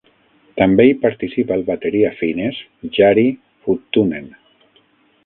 També hi participa el bateria finès Jari Huttunen.